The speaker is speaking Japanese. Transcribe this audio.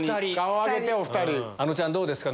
あのちゃんどうですか？